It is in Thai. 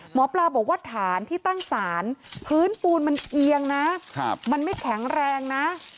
หมอปลาบอกว่าฐานที่ตั้งศาลพื้นปูนมันเอียงนะมันไม่แข็งแรงนะ